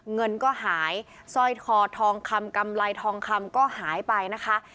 เงินก็หายสร้อยคอทองคำกำไรทองคำก็หายไปนะคะ